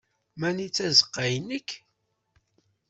Mani tazeqqa-nnek?